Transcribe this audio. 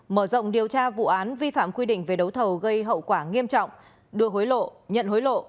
mở rộng điều tra vụ án vi phạm quy định về đấu thầu gây hậu quả nghiêm trọng đưa hối lộ nhận hối lộ